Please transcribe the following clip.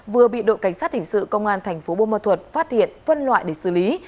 vừa bị đội cảnh sát hình sự công an thành phố bô ma thuật phát hiện phân loại để xử lý